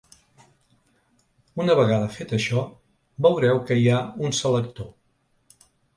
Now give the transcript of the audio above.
Una vegada fet això, veureu que hi ha un selector.